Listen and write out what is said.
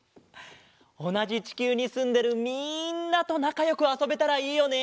おなじちきゅうにすんでるみんなとなかよくあそべたらいいよね。